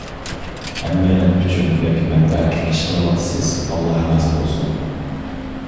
ھەممەيلەن ئۈچۈن بەك مەنپەئەتلىك ئىش قىلىۋاتىسىز، ئاللاھ رازى بولسۇن.